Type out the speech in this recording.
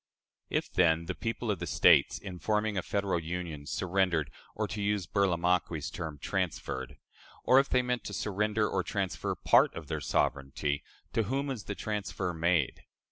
If, then, the people of the States, in forming a Federal Union, surrendered or, to use Burlamaqui's term, transferred or if they meant to surrender or transfer part of their sovereignty, to whom was the transfer made?